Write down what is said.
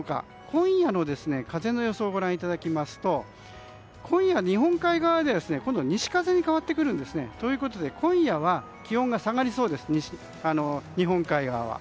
今夜の風の予想をご覧いただきますと今夜、日本海側では西風に変わってくるんです。ということで今夜は気温が下がりそうです日本海側は。